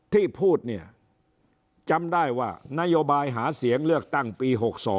ที่พูดเนี่ยจำได้ว่านโยบายหาเสียงเลือกตั้งปี๖๒